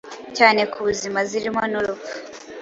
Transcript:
cyane ku buzima zirimo n’urupfu